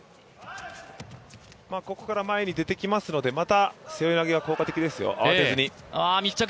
ここから前に出てきますので背負い投げが効果的ですよ。